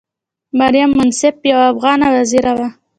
مریم منصف یوه افغانه وزیره وه.